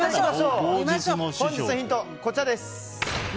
本日のヒントはこちらです。